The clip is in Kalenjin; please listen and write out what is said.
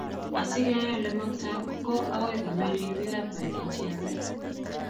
Asikeyai olemaktoi, ko akoi komii ripik ap kalyet cheyemei